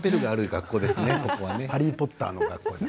ハリー・ポッターの学校